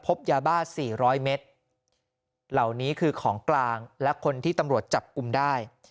พบยาบ้า๔๐๐เมตรเหล่านี้คือของกลางและคนที่ตำรวจจับกลุ่มได้